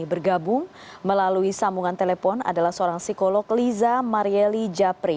bergabung melalui sambungan telepon adalah seorang psikolog liza marieli japri